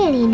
oh di mana